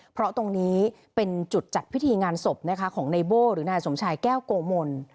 เพราะตรงนี้เป็นจุดจัดพิธีงานศพนะคะของในโบ้หรือนายสมชายแก้วโกมล